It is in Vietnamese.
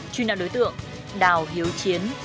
truy nã đối tượng đào hiếu chiến